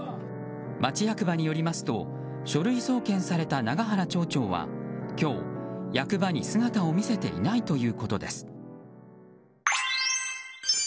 町役場によりますと書類送検された永原町長は今日、役場に姿を見せていないということです。